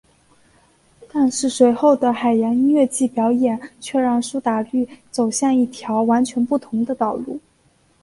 但是随后的海洋音乐季表演却让苏打绿走向一条完全不同的道路。